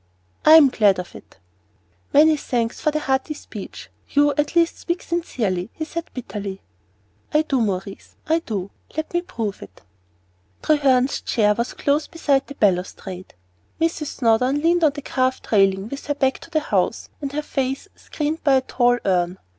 "I am glad of it." "Many thanks for the hearty speech. You at least speak sincerely," he said bitterly. "I do, Maurice I do; let me prove it." Treherne's chair was close beside the balustrade. Mrs. Snowdon leaned on the carved railing, with her back to the house and her face screened by a tall urn.